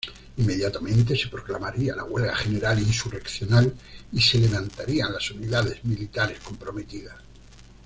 Inmediatamente se proclamaría la huelga general insurreccional y se levantarían las unidades militares comprometidas.